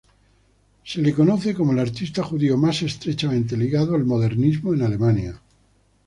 Se lo conoce como el artista judío más estrechamente ligado al modernismo en Alemania.